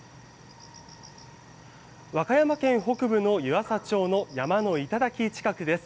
和歌山県北部の湯浅町の山の頂近くです。